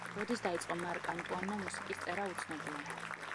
როდის დაიწყო მარკ ანტუანმა მუსიკის წერა, უცნობია.